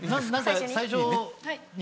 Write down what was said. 最初に。